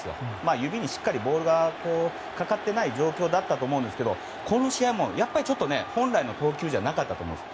指にしっかりボールがかかってない状況だったと思うんですけどこの試合も本来の投球ではなかったと思います。